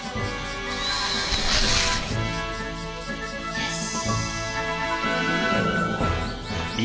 よし。